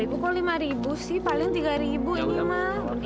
lima kok lima sih paling tiga ini mah